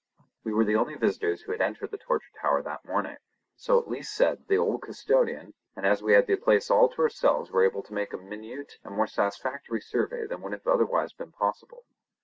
We were the only visitors who had entered the Torture Tower that morning—so at least said the old custodian—and as we had the place all to ourselves were able to make a minute and more satisfactory survey than would have otherwise been possible.